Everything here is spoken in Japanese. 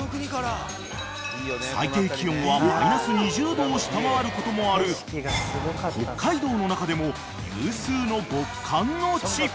［最低気温はマイナス２０℃を下回ることもある北海道の中でも有数の］